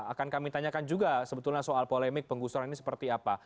akan kami tanyakan juga sebetulnya soal polemik penggusuran ini seperti apa